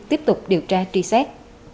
tiếp tục điều tra trì xét